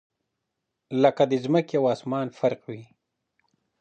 لكه دځمكي او اسمان فرق وي